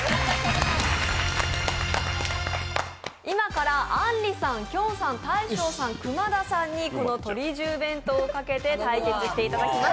今からあんりさん、きょんさん、大昇さん、久間田さんにこのとり重弁当をかけて対決していただきます。